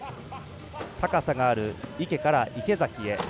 高さがある池から池崎へ。